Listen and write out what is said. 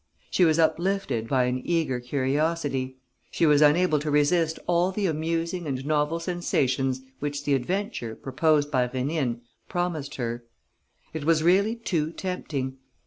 She was uplifted by an eager curiosity. She was unable to resist all the amusing and novel sensations which the adventure, proposed by Rénine, promised her. It was really too tempting.